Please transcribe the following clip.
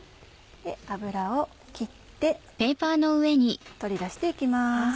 油を切って取り出して行きます。